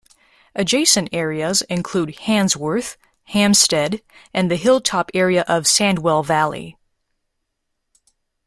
Adjacent areas include Handsworth, Hamstead and the hilltop area of Sandwell Valley.